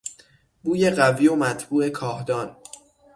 بوی قوی و مطبوع کاهدان